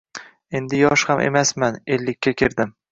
Endi yosh ham emasman, ellikka kirdim